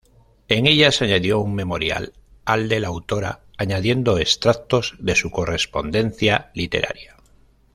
En ellas añadió un memorial de la autora, añadiendo extractos de su correspondencia literaria.